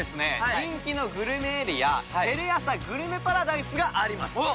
人気のグルメエリアテレアサグルメパラダイスがあります。